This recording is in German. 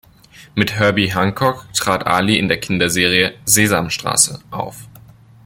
Mit Herbie Hancock trat Ali in der Kinderserie "Sesamstraße" auf.